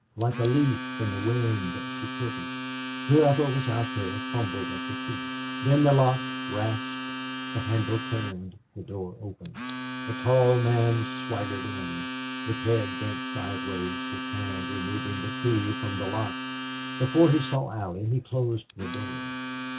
Like a leaf in the wind she quivered. Whoever was out there fumbled at the key. Then the lock rasped, the handle turned, the door opened. A tall man swaggered in, with head bent sideways, his hand removing the key from the lock. Before he saw Allie he closed the door.